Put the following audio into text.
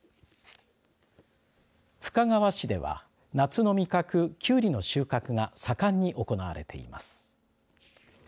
深川市では夏の味覚、きゅうりの収穫が盛んに行われています。